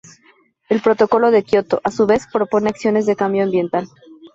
El protocolo de Kioto, a su vez, propone acciones de cambio ambiental.